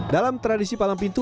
dalam tradisi palang pintu